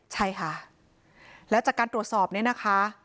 ใช่ค่ะแล้วจากการตรวจสอบเนี่ยนะคะ